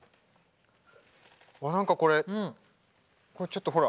うわ何かこれこれちょっとほら。